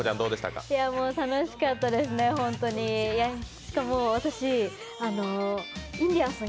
楽しかったですね、ホントにしかも私、インディアンスさん